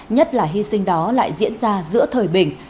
nhất là hy sinh đó lại diễn ra giữa thời bình